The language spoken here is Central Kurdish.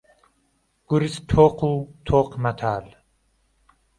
گورز تۆق و تۆق مەتال